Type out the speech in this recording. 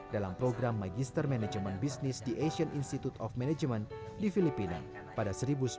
dalam program magister management business di asian institute of management di filipina pada seribu sembilan ratus sembilan puluh